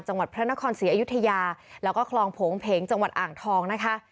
จังหวัดพระนครศรีอยุธยาแล้วก็คลองโผงเพงจังหวัดอ่างทองนะคะ